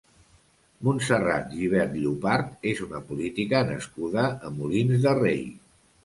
Montserrat Gibert Llopart és una política nascuda a Molins de Rei.